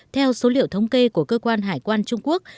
theo số liệu thống kê của cơ quan hải quan trung quốc